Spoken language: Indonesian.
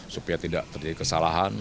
supaya tidak terjadi kesalahan